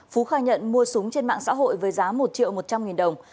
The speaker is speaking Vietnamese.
phú khai nhận mua súng trên mạng xã hội với giá một triệu một trăm linh nghìn đồng